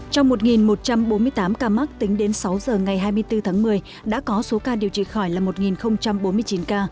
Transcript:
trong một một trăm bốn mươi tám ca mắc tính đến sáu giờ ngày hai mươi bốn tháng một mươi đã có số ca điều trị khỏi là một bốn mươi chín ca